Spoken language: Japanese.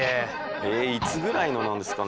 えいつぐらいのなんですかね？